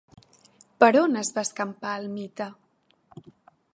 Per on es va escampar el mite?